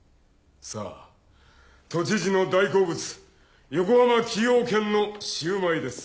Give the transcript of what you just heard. さあ都知事の大好物横浜崎陽軒のシウマイです。